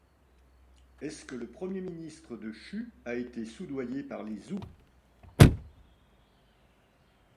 Est-ce que le premier ministre de Chu a été soudoyé par les Zhou?